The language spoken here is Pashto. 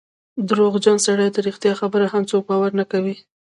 د درواغجن سړي په رښتیا خبره هم څوک باور نه کوي.